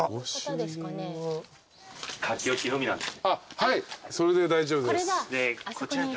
はいそれで大丈夫です。